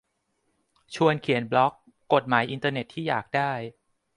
ชวนเขียนบล็อก กฎหมายอินเทอร์เน็ตที่อยากได้